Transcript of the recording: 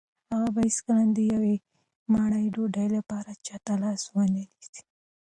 هغه به هیڅکله د یوې مړۍ ډوډۍ لپاره چا ته لاس ونه نیسي.